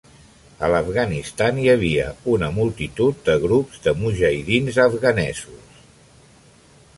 A l'Afganistan hi havia una multitud de grups de mujahidins afganesos.